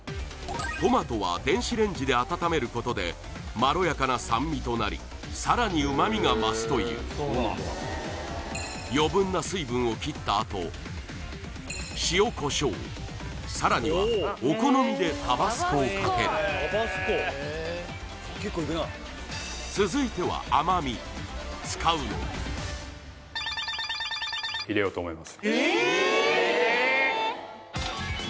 トマトは電子レンジで温めることでまろやかな酸味となりさらに旨味が増すという余分な水分を切ったあと塩コショウさらにはお好みでタバスコをかける使うのは入れようと思います